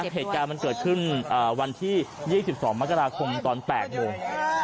เหตุการณ์มันเกิดขึ้นวันที่๒๒มกราคมตอน๘โมง